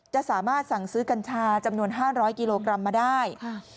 จะสามารถสั่งซื้อกัญชาจำนวน๕๐๐กิโลกรัมมาได้